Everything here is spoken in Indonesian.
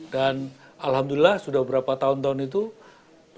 dan alhamdulillah sudah berapa tahun tahun itu ya